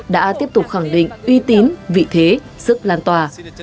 đã tiếp tục khẳng định uy tín vị thế sức lan tỏa